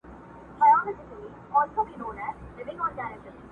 یارانو رخصتېږمه، خُمار درڅخه ځمه!.